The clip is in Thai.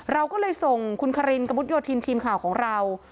เราก็เลยส่งคุณคารินกระมุดโยธินทีมข่าวของเรา